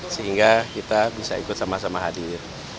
sehingga kita bisa ikut sama sama hadir